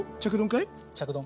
着丼。